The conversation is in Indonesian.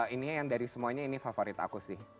ini yang dari semuanya ini favorit aku sih